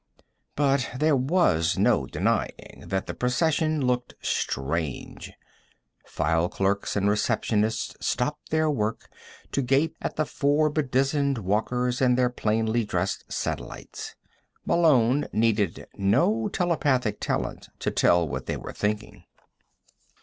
But there was no denying that the procession looked strange. File clerks and receptionists stopped their work to gape at the four bedizened walkers and their plainly dressed satellites. Malone needed no telepathic talent to tell what they were thinking.